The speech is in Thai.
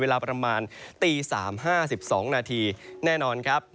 เวลาประมาณตี๓๕๒นาทีแน่นอนครับ